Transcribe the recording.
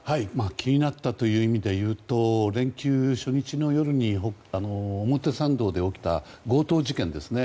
気になったという意味で言うと連休初日の夜に表参道で起きた強盗事件ですね。